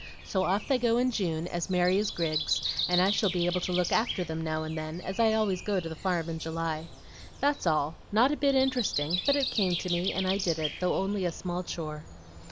So off they go in June, as merry as grigs, and I shall be able to look after them now and then, as I always go to the farm in July. That's all, not a bit interesting, but it came to me, and I did it, though only a small chore."